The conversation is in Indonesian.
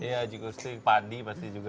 iya jikustik padi pasti juga